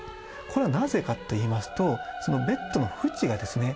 これはなぜかといいますとそのベッドの縁がですね